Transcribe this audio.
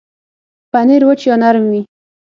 پنېر وچ یا نرم وي.